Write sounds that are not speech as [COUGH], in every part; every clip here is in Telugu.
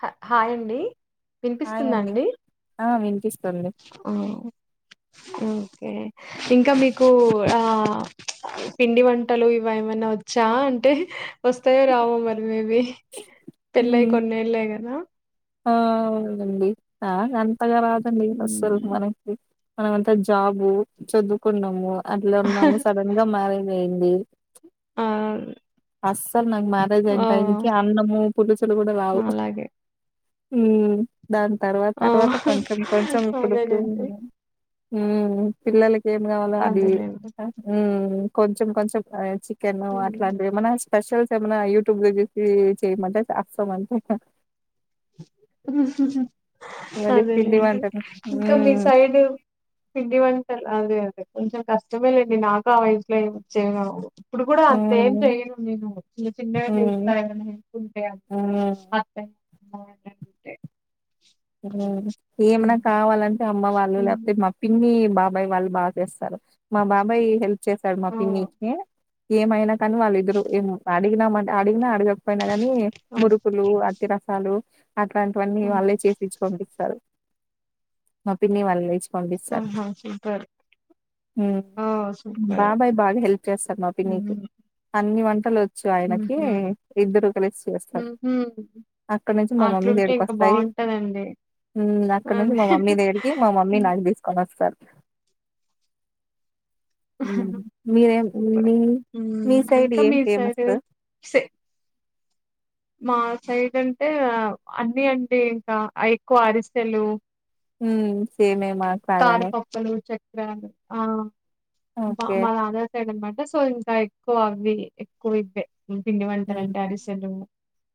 హ హాయండి వినిపిస్తుంద అండి ఆ వినిపిస్తుంది ఓ ఓకే ఇంకా మీకు ఆ పిండి వంటలు ఇవి ఏమన్నా వచ్చా అంటే వస్తాయో రావో మరి మేబీ పెల్లయ్ కొన్నేళ్ళైననా అ అవును గండి ఆ అంతగా రాదండి అస్సల్ హ్మ్. మనకి మనమంతా జాబు చదువుకున్నాము అట్లా ఉన్నాము సడన్ గా మ్యారేజయింది ఆ అస్సల్ నాక్ మ్యారేజ్ అయిన్ ఆ టయ్ నికి అన్నము పులుసులు గుడా రావు నాలాగే ఊ దాన్ తర్వాత ఆ తర్వాత కొంచెం కొంచెం ఇప్పుడిప్పుడు అదేలేండి ఊ పిల్లలకి ఏం గావాలో అది అదేలేండి కొంచెం కొంచెం చి కెను హ్మ్. అట్లాంటివి ఏమన స్పెషల్స్ ఏమనా యూట్యూబ్లో జూసి చేయమంటే అస్సాం అంతే ఇంగ అ అది పిండి అదేలేండి వంటలు ఇంకా మీ హ్మ్ సైడు పిండి వంటలు అదే అదే కొంచెం కష్టమే లేండి నాకు ఆ వయసులో ఏమి వొచ్చేవి గావు ఇప్పుడు కూడా హ్మ్ అంతేంచేయను నేను చిన్న చిన్నగా చేస్తా హ్మ్ ఎవరన్నా హెల్ప్ ఉంటే అం హ్మ్ [INAUDIBLE] ఆ ఏమన్నా ఉమ్. కావాలంటే అమ్మ వాళ్ళు లేకపోతే ఉమ్. మా పిన్ని బాబాయ్ వాళ్ళు బాగ్ చేస్తరు మా బాబాయ్ హెల్ప్ చేస్తాడు మా ఆ పిన్ని కి ఏమైనా కాని వాళ్ళు ఇద్దరు ఏమో అడిగినమంటె అడిగిన అడగ కపోయిన గాని ఆ, మురుకులు అత్తరసాలు అట్లాంటి వన్ని ఆ, వాళ్ళే చేస్ పంపిస్తారు మా పిన్ని వాళ్ళ ఆహా సూపర్ ఉ ఆ సూపర్ మాబాబాయ్ బాగా హెల్ప్ చేస్తారు మా పిన్ని కి ఉమ్, అన్ని వం వచ్చు ఆయనకి ఉమ్హు, ఇద్దరు కలిసి చేస్తారు ఉమ్హు. అక్కడి నుంచి మా మమ్మీ అట్లుంటే దగిడకి ఇంకా వస్తయి బాగుంటదండి ఊ అక్కడ నుంచి మా మమ్మీ అదే దగ్గరికి మా మమ్మీ ఉమ్. నాకు దీసుకొని వస్తారు హ్మ్. మీరేం సూపర్ మీ మీ సైడ్ ఇంకా ఏం మీసైడు ఫేమస్? సే మా సైడ్ అంటే అన్ని అంటే ఇంక ఎక్కువ అడిసెలు ఉమ్ సేమే మాకు అలానే కారపప్పులు ఆ బా ఓకే. మ అదర్ సైడ్ అనమట సో ఇంకా ఎక్కువ అవి ఎక్కువ్ ఇద్దే ఉ పిండి హ్మ్. వంటలంట అడిసెలు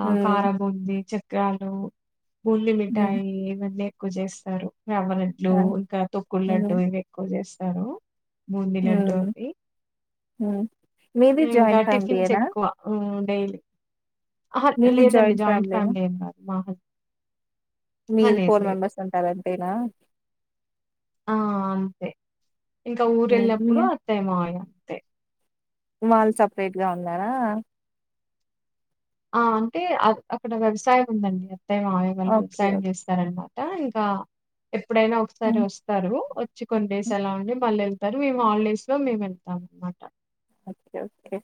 ఆ హ్మ్. కారాం బూంది చక్రాలు హ్మ్. బూందిమిిఠాయి ఇవన్నీ ఎక్కువ జేస్తారు రవ్వలడ్లు ఆ! ఇంకా తొక్కుడు లడ్డు హ్మ్. ఇవి ఎక్కువ చేస్తారు బూంది లడ్డూ హ్మ్. అవి హ్మ్. మీది ఇంకా జాయింట్ టిఫిన్స్ ఫ్యామిలీయేనా? ఎక్కువ ఊ డైలీ అహా మీది లేదండి జాయింట్ ఫ్యామిలీనా? ఫ్యామిలీ ఏం గాదు మాముల్ మీరు ఫోర్ మెంబర్స్ ఉంటారు అంతేనా ఆ అంతే ఇంకా హ్మ్. మీ ఊరెళ్ళినప్పుడు అత్తయ్య మాయయ్య అంతే వాళ్ళు సపరేట్ గా ఉన్నారా ఆ అంటే అక్కడ వ్యవసాయం ఉందండి అత్తయ్య మావయ్య వాళ్ళు ఓకే. వ్యవసాయం ఓకే. చేస్తారన్నా ట ఇంకా ఎప్పుడైనా ఒకసారి హ్మ్. వస్తారు వచ్చి కొన్ని డేస్ అలా ఉండి మల్ వెల్ టరు మేము హాలిడేస్ లో మేము వెళ్తాం అన్నమాట ఓకే ఓకే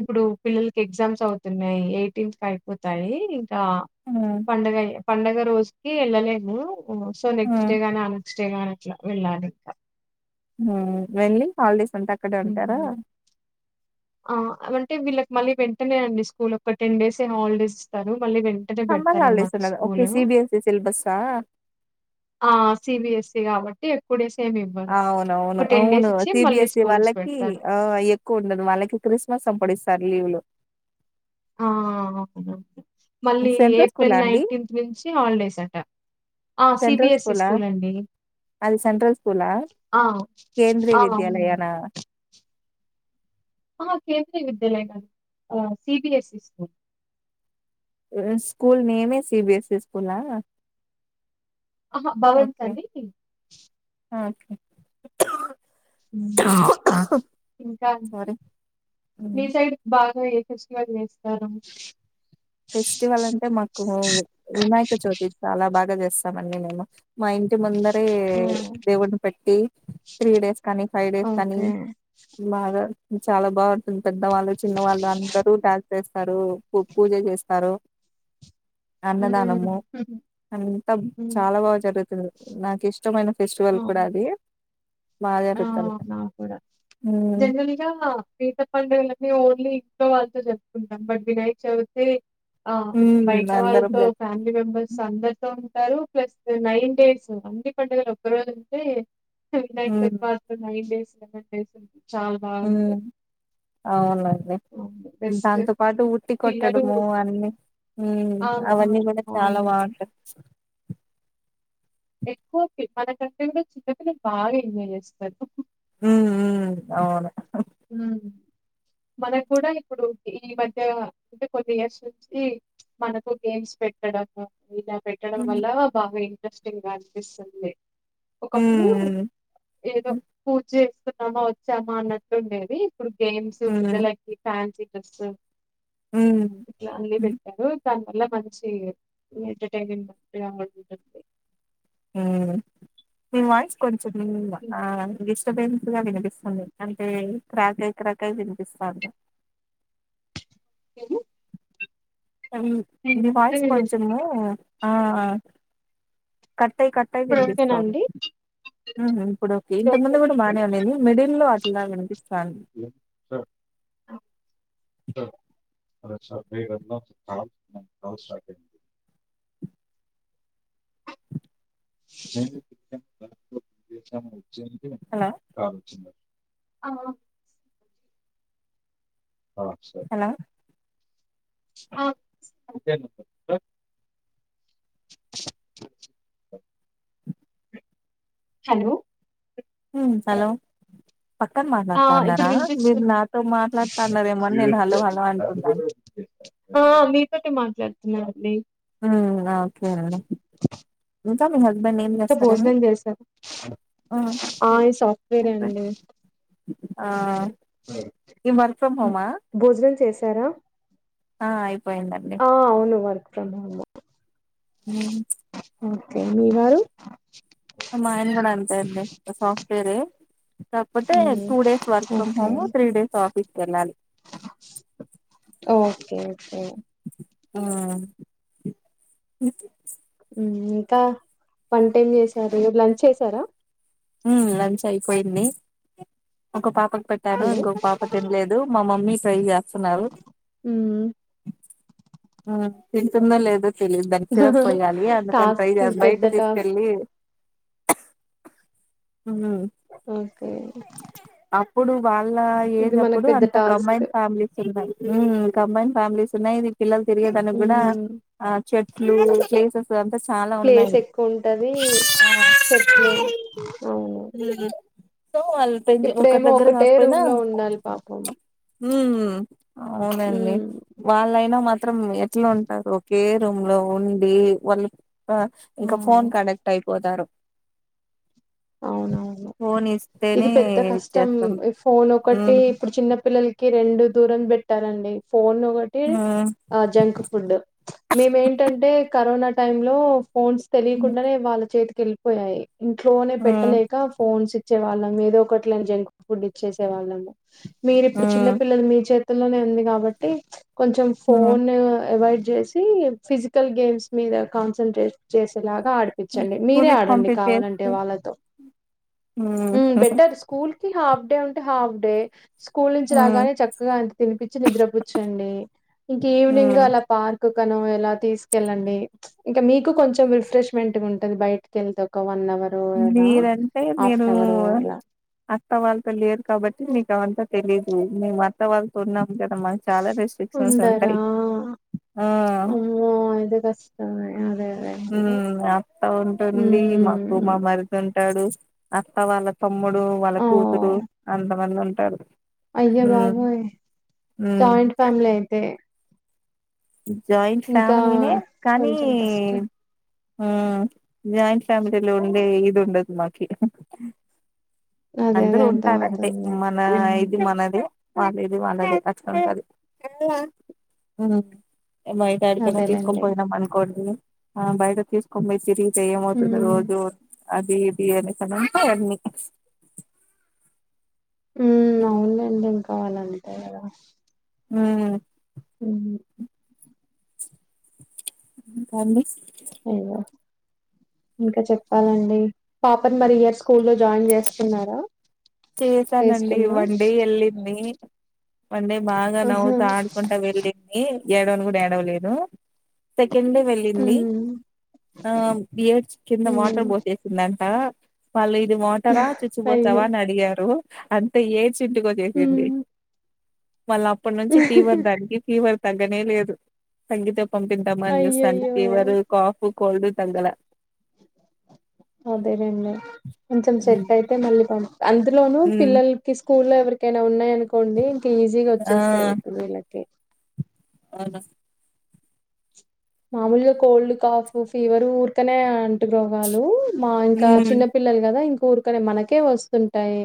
ఇప్పుడు పిల్లలకి ఎగ్జామ్స్ అవుతున్నాయి ఎయిటీన్త్కి అయిపోతాయి ఇక హ్మ్. పండగ పండగ రోజుకి వెళ్ళలేము ఓ సో నెక్స్ట్ హ్మ్. డే గాని ఆనెక్స్ట్ డే గాని అట్లా వెళ్ళాలి ఇంకా వెళ్లి హాలిడేస్ అంతా అక్కడే ఉంటారా హ్మ్. ఆ అంటే వీళ్ళకి మళ్ళీ వెంటనేనండి స్కూల్ ఒక టెన్ డేస్ ఏ హాలిడేస్ ఇస్తారు మళ్ళీ వెంటనే సమ్మర్ హాలిడేస్ పెడతారన్నమాట ఉన్నదా ఓకే స్కూలు సిబిఎస్ఈ సిలబస్సా ఆ సిబిఎస్ఈ కాబట్టి ఎప్పుడ అవునవును అవును మళ్ళీ సిబిఎస్ఈ స్కూల్స్ వాళ్ళకి పెడతారు. ఆ ఎక్కువ ఉండదు వాళ్ళకి క్రిస్మస్ అప్పుడిస్తారు లీవ్ లు ఆ అవును మళ్ళీ సెంట్రల్ ఏప్రిల్ స్కూలా అండి నైన్టీన్త్ నుంచి హాలిడేస్ అట ఆ సెంట్రల్ సిబిఎస్ఈ స్కూలా స్కూల్ అండి అది సెంట్రల్ స్కూలా ఆ! కేంద్రీయ అవునండి. విద్యాలయనా ఆ కేంద్రీయ విద్యాలయమండి సిబిఎస్ఈ స్కూల్ స్కూల్ నేమే సిబిఎస్ఈ స్కూలా అహా భవన్స్ ఓకే అని ఓకే ఇంకా అండి సారీ మీ హ్మ్. సైడ్ కి బాగా ఫ్రెష్గా చేస్తారు ఫెస్టివల్ అంటే మాకు వినాయక చవితి చాలా బాగా చేస్తామండి మేము మా ఇం టి ముందరే హ్మ్. దేవుడిని పెట్టి త్రీ డేస్ కానీ ఫైవ్ డేస్ కానీ ఓకే. మగా చాలా బావుంటుంది పెద్దవాళ్ళు చిన్న వాళ్ళు అందరూ డ్యాన్స్ చేస్తారు పు పూజ చేస్ తారు హ్మ్. అన్నదానము అంతా హ్మ్. చాలా బాగా జరుగుతుది నాకు ఇష్టమైన ఫెస్టివల్ కూడా అవును. అది బాగా ఆ జరుగుతుంది నా కూడా ఉమ్ జనరల్గా పీర్ల పండుగకు [UNINTELLIGIBLE] ఓన్లీ ఇంట్లో వాళ్ళతో చెప్పుకుంటాం బట్ వినాయక్ చవితి ఆ ఉమ్ బయట అందరం వాళ్ళతో కలిసి ఫ్యామిలీ మెంబర్స్ అందరితో టారూ ప్లస్ నైన్ డేస్ అన్ని పండగలు ఒక్కరోజు అంటే నై ఉమ్ [INAUDIBLE] [UNINTELLIGIBLE] నైన్ డేస్ లెవెన్ డేస్ చాలా ఉమ్ బాగుంటది అవునండి అవును. బెస్ట్ దాంతో పాటు ఉట్టి పిల్లలు కొట్టడము అన్ని హ్మ్ ఆ! అవన్నీ కూడా చాలా అవునండి. బాగుంటయి ఎక్కువ మనకంటే కూడా చిన్నపిల్లలు బాగా ఎంజాయ్ చేస్తారు మ్మ్ మ్మ్ అవును హ్మ్. మనకు కూడా ఇప్పుడు ఈ మధ్య అంటే కొన్ని ఇయర్స్ నుంచి ఈ మనకు గేమ్స్ పెట్టడం ఇలా పెట్టడం ఉమ్ వల్ల బాగా ఇంట్రెస్టింగ్ గా అనిపిస్తుంది ఒకప్పుడు ఉమ్ ఏదో పూజ చేసుకున్నామా వచ్చామా అన్న ట్టుండేది ఇప్పుడు గేమ్స్ ఉమ్ పిల్లలకి ఫ్యాన్సీ డ్రెస్ ఉమ్ ఇట్లా అన్నీ పెట్టారు దాని వల్ల మంచి ఎంటర్టైన్మెంట్ ఉండే ఉంటుంది మ్మ్ మీ వాయిస్ కొంచం ఇంగ ఆ విస్ [UNINTELLIGIBLE] గా వినిపిస్తంది అంటే క్రాక్ క్రాక్ అయ్యి వినిపిస్తంది ఏమి మ్మ్ మీ అంటే వాయిస్ కొంచము ఆ కట్టయి కట్టై ఇప్పుడు ఓకేనా వినిపిస్తంది అండి? ఇప్పుడు ఓకే ఇంతమంది కూడా ఓకేనండి. బానేఉండింది మిడిల్ లో అట్లా వినిపిస్తా హ్ అరే సార్ మీ [UNINTELLIGIBLE] హలో కావొచ్చు ఆ ఆ సర్ హలో హ సరే అంటే [INAUDIBLE] హలో హలో పక్కన ఆ ఇప్పుడు మాట్లాడతాన్నారా మీరు వినిపిస్తుంద్ నాతో మాట్లాడతాన్నారేమో అని నేను హలో హలో అంటున్నాను ఆ మీ తోటే మాట్లాడుతున్నానండి ఉమ్ ఓకే అండి ఇంకా మీ హస్బెండ్ ఏం ఇంత చేస్తారండి భోజనం చేశార్ ఉమ్, ఆ ఈ సాఫ్ట్వేరే అయిపోయింది. అండి ఆ ఈ వర్క్ ఫ్రమ్ హోమా భోజనం చేశారా ఆ ఇప్ ఆ అవును వర్క్ ఫ్రమ్ హోమ్ హ్మ్ ఓకే మీ వారు మా ఆయన కూడా అంతే అండి సాఫ్ట్వేరే కాకపోతే మ్మ్. Two days work from okay home three days ఆఫీస్కికేళ్ళాలి కి ఎమ్ ఎం ఆ హ్మ్ ఇంకా వంటేం చేసారు లంచ్ చేసారా హ్మ్ లంచ్ అయిపోయింది ఒక పాపకు పెట్టాను హలో ఇంకొక పాప తినలేదు మా మమ్మీ ట్రై చేస్తున్నారు మ్మ్. తింటుందో లేదో తెలియదు దానికి సిరప్ పోయాలి అందుకని టాస్క్ ఇది బయట పెద్ద టాస్క్ తీసుకెళ్ళి ఉహ్ కే ఇప్పుడు వాళ్ళ ఏజ్ అప్పుడు అంత టాస్క్ కంబైన్ ఫ్యామిలీస్ ఉన్నాయి ఉ కంబైన్ ఫ్యామిలీస్ ఉన్నాయి ఇది పిల్లలు తిరిగేదానికి కూడా మ్మ్. ఆ చెట్లు ప్లేసెస్ స్ అంతా చాలా ప్లేస్ ఉన్నాయి ఎక్కువ ఉంటది చెట్లు అవును సో వాళ్ళు పెంచ్ ఒకరి ఇప్పుడేమో దగ్గర ఒకటే కాకపోయినా రూమ్ లో ఉండాలి పాపం ఉమ్ అవునండి ఉమ్ వాళ్ళైనా మ త్రం ఎట్లా ఉంటారు ఒకే రూమ్ లో ఉండి వాళ్ళు బా ఇంకా ఫోన్కాడిక్ట్ అయిపోతారు అవునవును ఫోన్ ఇస్తేనే ఇది పెద్ద కష్టం ఇచ్చేస్తాం ఫోన్ ఒకటి మ్మ్ ఇప్పుడు చిన్నపిల్ పిల్లలకి రెండు దూరం పెట్టాలండి ఫోన్ ఒకటి మ్మ్ జంక్ ఫుడ్ మేమ ఏంటంటే కరోనా టైం లో ఫోన్స్ తెలియకుండానే వాళ్ళ చేతికేళ్ళిపోయాయి ఇంట్లోనే పెట్టలేక ఫోన్స్ ఇచ్చే వాళ్ళం ఏదో ఒకటిలే అని జంక్ ఫుడ్ ఇచ్చేసే వాళ్ళము మీరిప్పుడు చిన్న మ్మ్ పిల్లలు మీ చేతుల్లోనే ఉంది కాబట్టి కొంచెం మ్మ్ ఫోన్ అవయిడ్ చేసి ఫిజికల్ గేమ్స్ మీద కాన్సంట్రేట్ చేసేలాగ్ తో ఆడిపించండి మీరే కూలికి ఆడండి కావాలంటే పంపించేసి వాళ్ళతో మ్మ్ ఉ బెటర్ స్కూల్ కి హాఫ్ డే ఉంటే హాఫ్ డే స్కూల్ నుంచి మ్మ్ రాగానే చక్కగా ఇంత తినిపిం చ్చి నిద్ర పుచ్చండి ఇంకా ఈవినింగ్ మ్మ్ అలా పార్ ర్క్కానో ఏలా తీసుకెళ్ళండి ఇంకా మీకు కొంచెం రిఫ్రెష్మెంట్ ఉంటుంది బయటకేళ్తే ఒక వన్ అవర్ మీరంటే మీరు అలా. అత్త వాళ్ళతో లేరు కాబట్టి మీక్ అవంతా తెలీదు మేము అత్త వాళ్ళతో ఉన్నాం కదా మాకు చాలా రెస్ట్రిక్షన్స్ ఉండరా? ఉంటాయి ఆ అమ్మో అయితే కష్టమే అదే అదేనండి. మ్మ్ అత్త ఉంటుంది మాకు మా హ్మ్. మరిది ఉంటాడు అత్త వాళ్ళతో తమ్ముడు వాళ్ళ కూతురు అంతమంది ఉంటారు అయ్యా ఉమ్ బాబోయి ఉమ్ జాయింట్ ఫ్యామిలీ అయితే జాయింట్ ఇంకా ఫ్యామిలీనే కానీ కొంచెం కష్టం. ఆ జాయింట్ ఫామలీలో ఉండే ఇదుండది మాకి అదే అందరూ అదే ఉంటారంటే అర్థమవుతుంది. మన హ్మ్. ఇది మనదే వాళ్ళే ఇది వాళ్ళది అట్లుంటారు హ్మ్ [UNINTELLIGIBLE] యాడికైనా తీసుకొని అదేలేండి పోయినాం అనుకోండి ఆ బయట తీసుకొని పోయి తిరిగి అంటే ఏమవుతుంది ఉమ్ రోజు అది ఇది అనేకనింటే అన్నీ ఉ ఉమ్ అవునండి ఏం కావాలంటే కదా హ్మ్ హ్మ్ ఇంక అండి ఇంగా ఇంకా చెప్పాలండి పాపని మరి ఈ ఇయర్ స్కూల్ లో జాయిన్ చేస్తున్నారా ప్లే చేసానండి స్కూల్లో వన్డే వెళ్ళింది వన్ డే బాగా ఆహా నవ్వుతూ ఆడుకుంటా వెళ్ళింది ఏడవని కూడా ఏడవ లేదు కింద వెళ్ళింది ఉమ్ ఆ బియర్డ్స్ కింద ఉమ్ వాటర్ బోట్సిందం ట వాళ్ళు ఇది వాటర్ ఆ చుచ్చిపోతావా అయ్యో అని అడిగారు అంటే ఏడ్ చిట్కో చేసింది ఉమ్ మళ్ళీ అప్పటి నుంచి ఫీవర్ దానికి ఫీవర్ తగ్గనే లేదు తగితే పంపిందాం అని చూస్తా ఉంటే అయ్యయ్యో ఫీవర్ కాఫ్ కోల్డ్ తగ్గల అదేనండి కొంచెం ఉమ్ సెట్ అయితే మళ్ళీ పం అందులోనూ ఉమ్ పిల్లలకి స్కూల్ లో ఎవరికైనా ఉన్నయ్ అనుకోండి ఇంకా ఈజీగా ఆ వచ్చేస్తాయి పిల్లల్కి అవును మామూలుగా కోల్డ్ కాఫ్ ఫీవర్ ఊరికనే అంటు రోగాలు మా ఇంకా ఉమ్ చిన్న పిల్లలు కదా ఇంక ఊరుకనే మనకే వస్తుంటాయి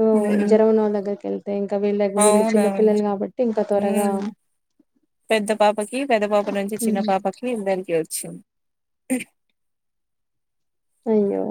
ఓ ఉమ్ జ్వరము ఉన్నోళ్ళ దగ్గరకు వెళ్లితే తే ఇంకా వీళ్ళ వీళ్ళు అవునవును చిన్నపిల్లలు కాబట్టి ఇంకా త్వరగా ఉమ్ పెద్ద పాపకి పెద్ద పాప నుంచి చిన్న హ్మ్. పాపకి ఇద్దరికీ వచ్చింది అయ్యో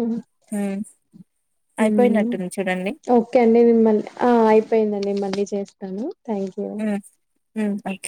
హ్మ్ హ్మ్ హ్మ్ ఓకే అండి మిమ్మల్ ఆ అయిపోయిందండి మళ్ళీ చేస్ తాను థ్యాంక్ యూ హ్మ్